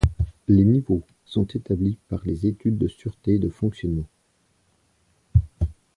Les Niveaux sont établis par les études de sûreté de fonctionnement.